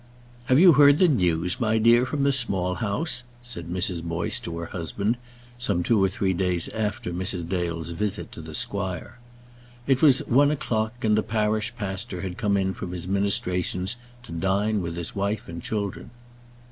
"Have you heard the news, my dear, from the Small House?" said Mrs. Boyce to her husband, some two or three days after Mrs. Dale's visit to the squire. It was one o'clock, and the parish pastor had come in from his ministrations to dine with his wife and children.